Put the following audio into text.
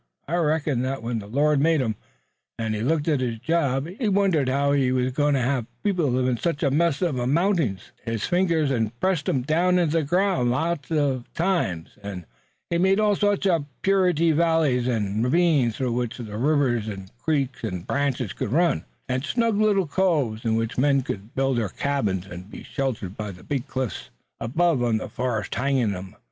I reckon that when the Lord made 'em, an' looked at His job, he wondered how He wuz goin' to hev people live in sech a mass uv mountings. Then He took His fingers an' pressed 'em down into the ground lots an' lots uv times, an' He made all sorts of purty valleys an' ravines through which the rivers an' creeks an' branches could run, an' snug little coves in which men could build thar cabins an' be sheltered by the big cliffs above an' the forest hangin' on 'em.